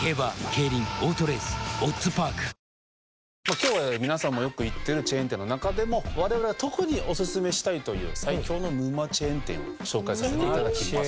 今日は皆さんもよく行ってるチェーン店の中でも我々が特におすすめしたいという最強の沼チェーン店を紹介させて頂きます。